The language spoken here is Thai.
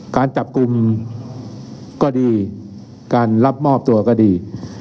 การจับกลุ่มก็ดีการรับมอบตัวก็ดี